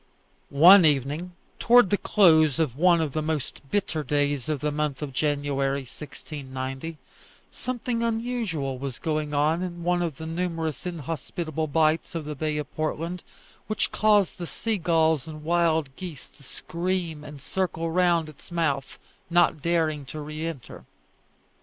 One evening, towards the close of one of the most bitter days of the month of January, 1690, something unusual was going on in one of the numerous inhospitable bights of the bay of Portland, which caused the sea gulls and wild geese to scream and circle round its mouth, not daring to re enter.